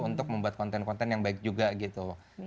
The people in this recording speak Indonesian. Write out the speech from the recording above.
untuk membuat konten konten yang baik juga gitu